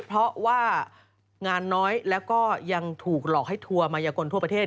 เพราะว่างานน้อยแล้วก็ยังถูกหลอกให้ทัวร์มายกลทั่วประเทศ